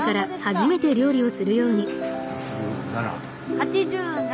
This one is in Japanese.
８７。